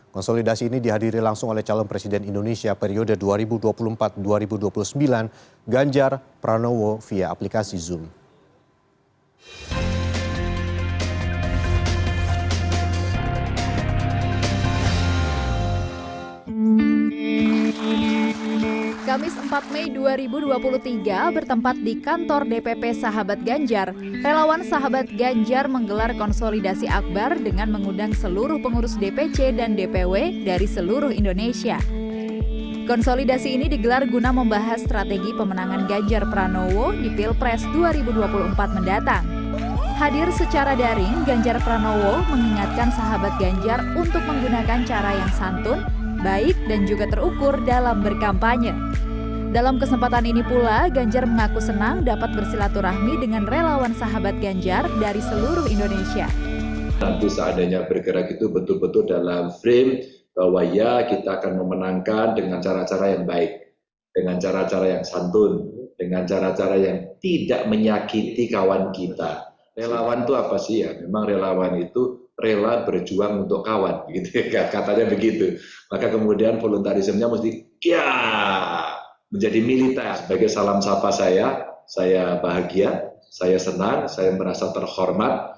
konsolidasi ini dihadiri langsung oleh calon presiden indonesia periode dua ribu dua puluh empat dua ribu dua puluh sembilan ganjar pranowo via aplikasi zoom